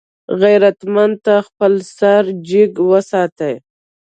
غیرتمند تل خپل سر جګ وساتي